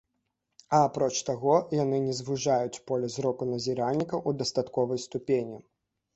А апроч таго, яны не звужаюць поле зроку назіральніка ў дастатковай ступені.